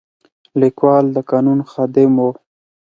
لیکوال د قانون خادم و.